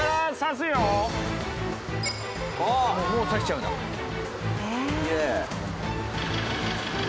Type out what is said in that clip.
すげえ。